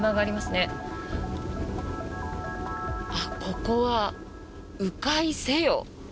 ここは、迂回せよ。